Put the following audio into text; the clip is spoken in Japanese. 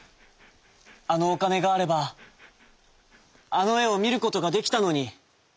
あのおかねがあればあのえをみることができたのに」。